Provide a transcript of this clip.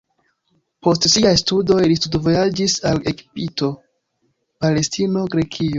Post siaj studoj li studvojaĝis al Egipto, Palestino, Grekio.